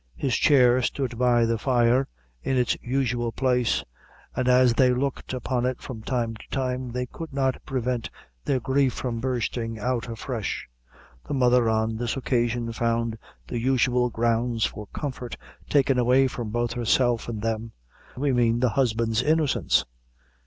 His chair stood by the fire, in its usual place, and as they looked upon it from time to time, they could not prevent their grief from bursting out afresh. The mother, on this occasion, found the usual grounds for comfort taken away from both herself and them we mean, the husband's innocence.